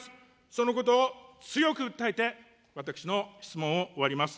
そのことを強く訴えて、私の質問を終わります。